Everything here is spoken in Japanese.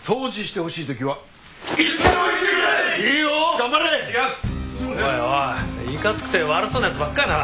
おいおいいかつくて悪そうな奴ばっかだな。